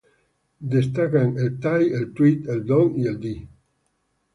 Destacan el Tay, el Tweed, el Don y el Dee.